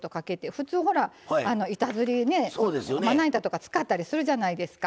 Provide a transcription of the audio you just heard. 普通ほら板ずりねまな板とか使ったりするじゃないですか。